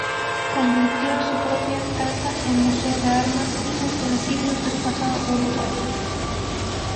Convirtió su propia casa en museo de armas y utensilios del pasado uruguayo.